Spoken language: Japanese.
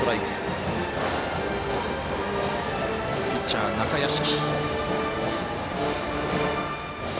ピッチャー、中屋敷。